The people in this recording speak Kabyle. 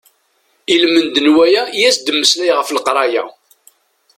Ilmend n waya i as-d-mmeslay ɣef leqraya.